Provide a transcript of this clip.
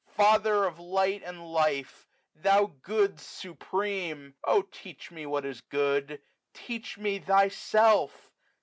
Father of light and life, thou Good supreme 1 O teach me what is good ! teach me Thyself